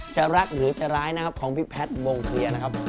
จะรักหรือจะร้ายนะครับของพี่แพทย์วงเคลียร์นะครับ